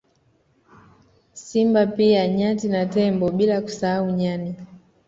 Simba pia nyati na tembo bila kusahau nyani